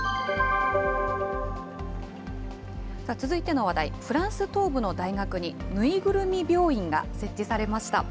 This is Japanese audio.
続いての話題、フランス東部の大学にぬいぐるみ病院が設置されました。